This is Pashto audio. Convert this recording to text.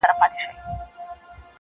زما په جونګړه کي بلا وکره!.